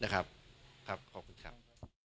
ครับขอบคุณครับ